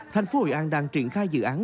thành phố hội an đang triển khai dự án